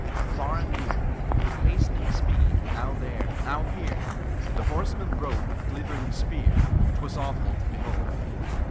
Afar and near, With hastening speed, now there, now here, The horseman rode with glittering spear 'Twas awful to behold!